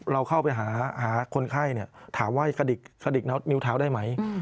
เราเข้าไปหาคนไข้ถามว่ากระดิกนิ้วเท้าได้ไหม